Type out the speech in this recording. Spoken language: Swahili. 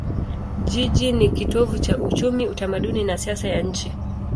Jiji ni kitovu cha uchumi, utamaduni na siasa ya nchi.